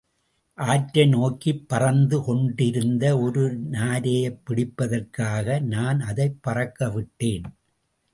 ஆற்றை நோக்கிப் பறந்து கொண்டிருந்த ஒரு நாரையைப் பிடிப்பதற்காக நான் அதைப் பறக்கவிட்டேன்.